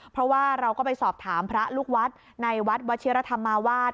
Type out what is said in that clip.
เพราะว่าเราก็ไปสอบถามพระลูกวัดในวัดวชิรธรรมาวาส